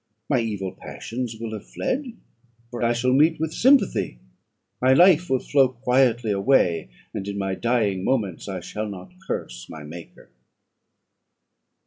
My evil passions will have fled, for I shall meet with sympathy! my life will flow quietly away, and, in my dying moments, I shall not curse my maker."